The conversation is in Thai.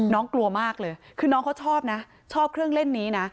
กลัวมากเลยคือน้องเขาชอบนะชอบเครื่องเล่นนี้นะ